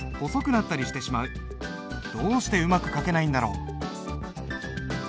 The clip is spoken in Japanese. どうしてうまく書けないんだろう。